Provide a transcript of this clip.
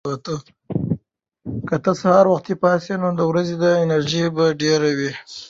که ته سهار وختي پاڅې، نو د ورځې انرژي به ډېره وي.